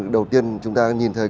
đầu tiên chúng ta nhìn thấy